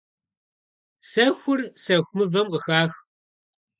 Сэхур сэху мывэм къыхах.